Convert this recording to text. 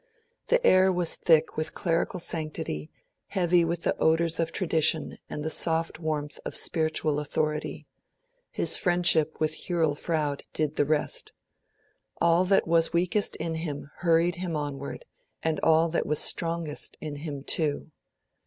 The air was thick with clerical sanctity, heavy with the odours of tradition and the soft warmth of spiritual authority; his friendship with Hurrell Froude did the rest. All that was weakest in him hurried him onward, and all that was strongest in him too.